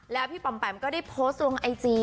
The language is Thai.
แล้วพี่ปำแปมก็ได้โพสต์ลงไอจี